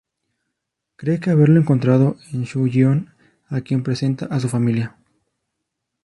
Cree haberlo encontrado en Su-hyon a quien presenta a su familia.